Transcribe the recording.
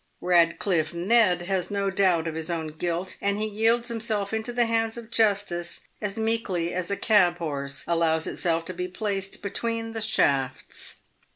Eadcliffe Ned has no doubt of his own guilt, and he yields himself into the hands of justice as meekly as a cab horse allows itself to be placed between the shafts.